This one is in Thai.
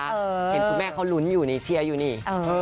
เห็นคุณแม่เขาลุ้นอยู่นี่เชียร์อยู่นี่